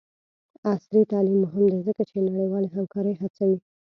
عصري تعلیم مهم دی ځکه چې د نړیوالې همکارۍ هڅوي.